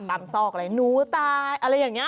ซอกอะไรหนูตายอะไรอย่างนี้